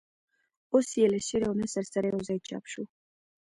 اوس یې له شعر او نثر سره یوځای چاپ شو.